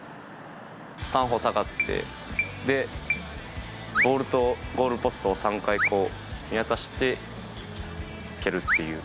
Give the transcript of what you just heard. ３歩下がって、で、ボールとゴールポストを３回見渡して蹴るっていう。